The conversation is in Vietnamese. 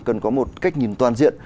cần có một cách nhìn toàn diện